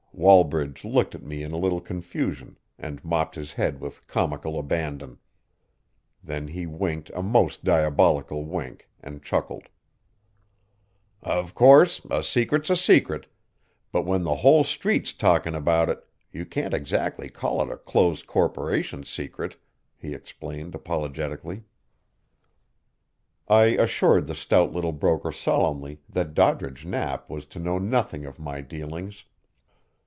Wallbridge looked at me in a little confusion, and mopped his head with comical abandon. Then he winked a most diabolical wink, and chuckled. "Of course, a secret's a secret; but when the whole Street's talking about it, you can't exactly call it a close corporation secret," he explained apologetically. I assured the stout little broker solemnly that Doddridge Knapp was to know nothing of my dealings.